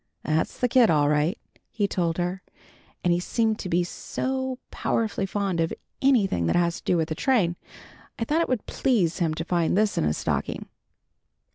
"That's the kid all right," he told her. "And he seemed to be so powerful fond of anything that has to do with a train, I thought it would please him to find this in his stocking."